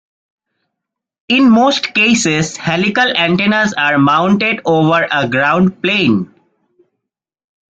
In most cases, helical antennas are mounted over a ground plane.